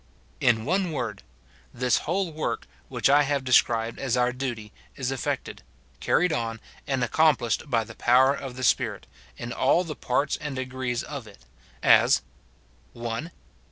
In one word : This whole work, which I have described as our duty, is efi"ected, carried on, and accomplished by the power of the Spirit, in all the parts and degrees of it ; as, — (1.)